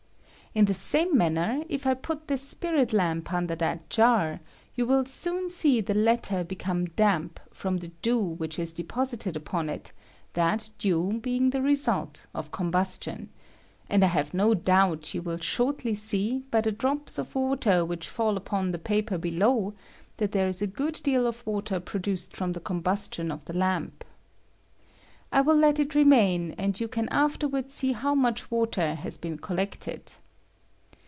In the same manner, if I put this spirit lamp under that jar, you will Boon see the latter become damp, from the dew which is deposited upon it — that dew being the result of combustion ; and I have no doubt, yon will shortly see, by the drops of water which fall upon the paper below, that there ia a good deal of water produced from the combustion of the lamp. I will let it remain, and you can forward soe how much water has been col lected.